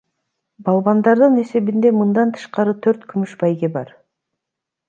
Балбандардын эсебинде мындан тышкары төрт күмүш байге бар.